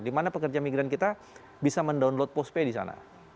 di mana pekerja migran kita bisa mendownload postpay di sana